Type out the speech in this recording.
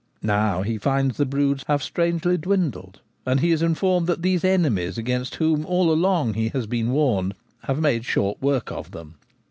Now he finds the broods have strangely dwindled, and he is informed that these enemies against whom all along he has been warned have made short work of them.